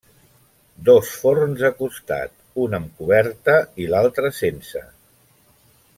Dos forns de costat, un amb coberta i l'altre sense.